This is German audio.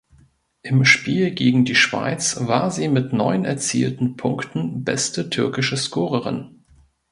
Im Spiel gegen die Schweiz war sie mit neun erzielten Punkten beste türkische Scorerin.